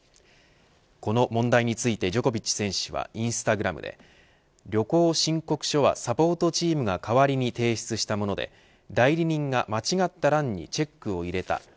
この問題についてジョコビッチ選手はインスタグラムで旅行申告書はサポートチームが代わりに提出したもので代理人が間違った欄にチェックを入れた。